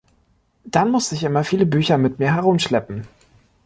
Dann muss ich immer viele Bücher mit mir herumschleppen.